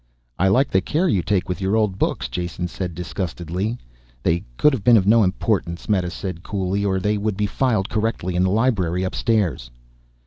"I like the care you take with your old books," Jason said disgustedly. "They could have been of no importance," Meta said coolly, "or they would be filed correctly in the library upstairs."